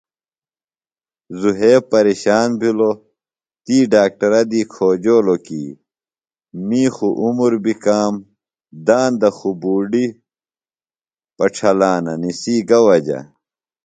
ذُھیب پیرشان بِھلوۡ تی ڈاکٹرہ دی کھوجولوۡ کی می خوۡ عُمر بیۡ کام داندہ خوۡ بُوڈیۡ پڇھلانہ نِسی گہ وجہ۔